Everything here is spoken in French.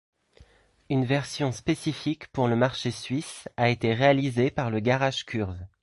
Une version spécifique pour le marché suisse a été réalisée par le Garage Kurve.